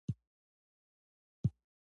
جلانه ! بیا مې د زړه ځمکه کې درزا روانه